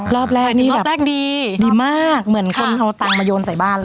รอบแรกนี่ดีมากเหมือนคนเอาเงินมาโยนใส่บ้าน